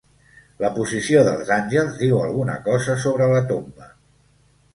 La posició dels àngels diu alguna cosa sobre la tomba.